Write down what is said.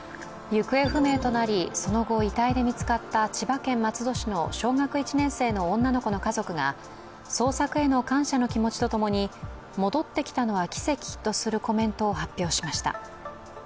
行方不明となり、その後、遺体で見つかった千葉県松戸市の小学１年生の女の子の家族が捜索への感謝の気持ちとともに、戻ってきたのは奇跡とするコメントを発表しました。